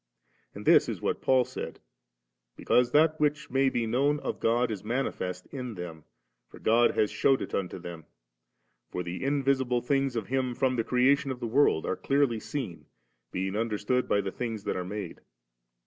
And this is what Paul said, * Because that which may be known of God ii manifest in them, for God has shewed it unto them : for the invisible things of Him from the creation of the world are clearly seen, being understood by the things that are made^.'